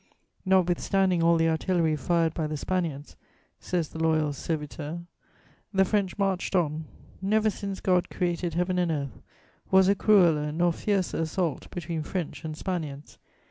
"'Notwithstanding all the artillery fired by the Spaniards,' says the Loyal Serviteur, 'the French marched on; never since God created Heaven and earth was a crueller nor fiercer assault between French and Spaniards.